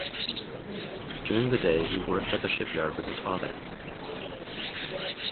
During the day he worked at the shipyard with his father.